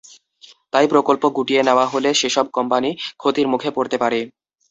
তাই প্রকল্প গুটিয়ে নেওয়া হলে সেসব কোম্পানি ক্ষতির মুখে পড়তে পারে।